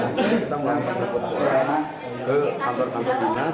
kita melakukan jemput bola ke kantor kantor dinas